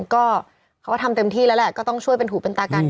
ก็เขาก็ทำเต็มที่แล้วแหละก็ต้องช่วยเป็นหูเป็นตากัน